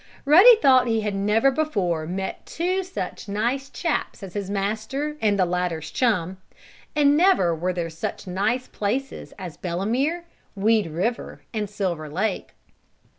Ruddy thought he had never before met two such nice chaps as his master and the latter's chum, and never were there such a nice places as Belemere, Weed River and Silver Lake.